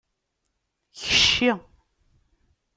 Kcci!